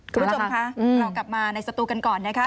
คุณผู้ชมคะเรากลับมาในสตูกันก่อนนะคะ